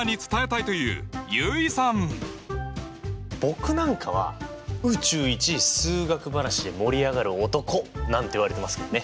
僕なんかは宇宙一数学話で盛り上がる男なんて言われてますけどね。